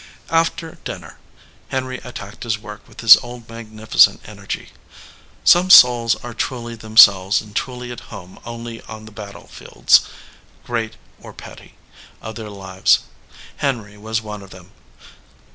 After dinner Henry attacked his work with his old magnificent energy. Some souls are truly themselves and truly at home only on the battle fields, great or petty, of their lives. Henry was one of them.